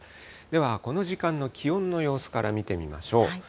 では、この時間の気温の様子から見てみましょう。